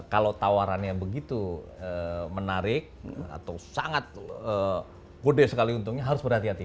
kalau tawarannya begitu menarik atau sangat gede sekali untungnya harus berhati hati